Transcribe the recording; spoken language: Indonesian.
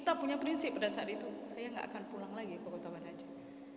kita punya prinsip pada saat itu saya nggak akan pulang lagi ke kota banda aceh